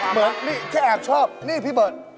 เหมือนนี่แค่แอบชอบนี่พี่เบิร์ต